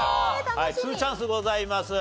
２チャンスございます。